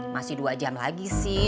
masih dua jam lagi sih